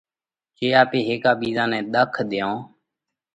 جي آپي هيڪا ٻِيزا نئہ ۮک نہ ۮيون،